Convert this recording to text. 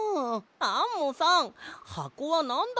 アンモさんはこはなんだったの？